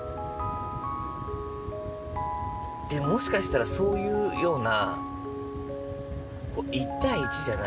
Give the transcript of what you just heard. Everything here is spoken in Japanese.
でももしかしたらそういうような。